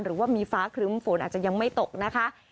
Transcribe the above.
หรือว่ามีฟ้าครึ้มฝนอาจจะยังไม่ตกนะคะ